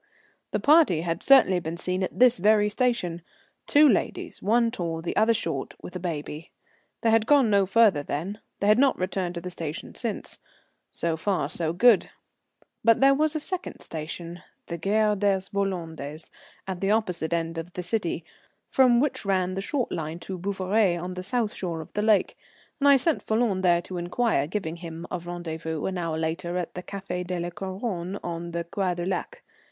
The party had certainly been seen at this very station. Two ladies, one tall, the other short, with a baby. They had gone no further then; they had not returned to the station since. So far good. But there was a second station, the Gare des Vollondes, at the opposite end of the city, from which ran the short line to Bouveret on the south shore of the lake, and I sent Falloon there to inquire, giving him a rendezvous an hour later at the Café de la Couronne on the Quai du Lac.